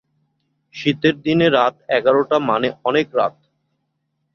শীতের দিনে রাত এগারটা মানে অনেক রাত।